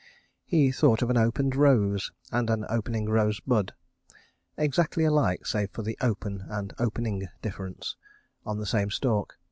He thought of an opened rose and an opening rose bud (exactly alike save for the "open" and "opening" difference), on the same stalk.